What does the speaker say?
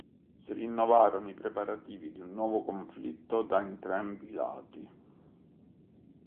Si rinnovarono i preparativi di un nuovo conflitto da entrambi i lati.